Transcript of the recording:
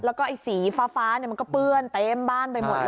แล้วก็ไอ้สีฟ้ามันก็เปื้อนเต็มบ้านไปหมดเลย